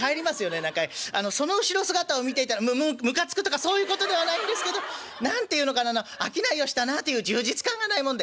その後ろ姿を見ていたらむむかつくとかそういうことではないんですけど何て言うのかな商いをしたなという充実感がないもんで」。